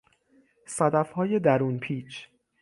صدفهای درون پیچ